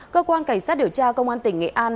cơ quan cảnh sát điều tra công an tỉnh nghệ an